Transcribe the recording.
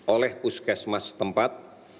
oleh puskesmas tempat